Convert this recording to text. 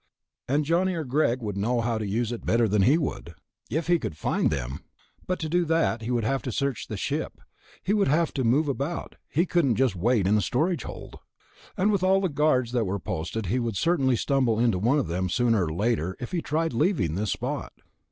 And Johnny or Greg would know how to use it better than he would. If he could find them. But to do that, he would have to search the ship. He would have to move about, he couldn't just wait in a storage hold. And with all the guards that were posted, he would certainly stumble into one of them sooner or later if he tried leaving this spot....